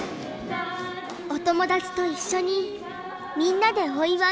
お友だちと一緒にみんなでお祝い。